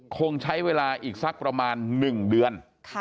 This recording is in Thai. คงใช้เวลาอีกสักประมาณ๑เดือน